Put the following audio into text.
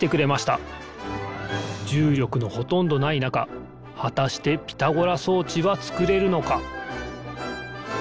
じゅうりょくのほとんどないなかはたしてピタゴラ装置はつくれるのか？